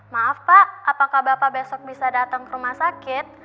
maaf pak apakah bapak besok bisa datang ke rumah sakit